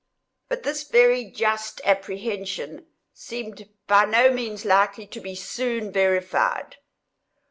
But this very just apprehension seemed by no means likely to be soon verified.